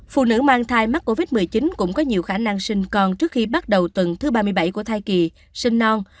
phụ nữ mang thai mắc covid một mươi chín cũng có nhiều khả năng sinh con trước khi bắt đầu tuần thứ ba mươi bảy của thai kỳ sinh non